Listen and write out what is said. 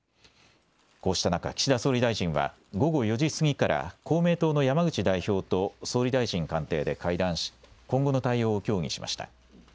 こうした中、岸田総理大臣は午後４時過ぎから公明党の山口代表と総理大臣官邸で会談し今後の対応を協議しました。